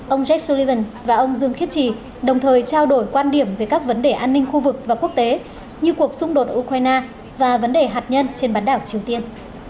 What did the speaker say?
ông jake sullivan và ông dương khiết trì đồng thời trao đổi quan điểm về các vấn đề an ninh khu vực và quốc tế như cuộc xung đột ở ukraine và vấn đề hạt nhân trên bán đảo triều tiên